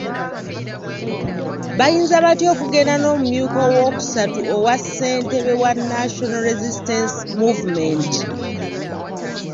Bayinza batya okugenda n’omumyuka owookusatu owa ssentebe wa National Resistance Movement?